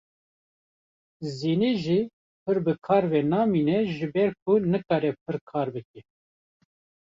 Zînê jî pir bi kar ve namîne ji ber ku nikare pir kar bike.